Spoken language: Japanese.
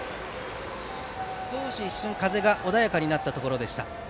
少し一瞬、風が穏やかになったところでした。